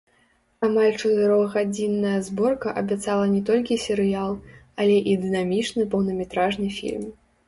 Амаль чатырохгадзінная зборка абяцала не толькі серыял, але і дынамічны поўнаметражны фільм.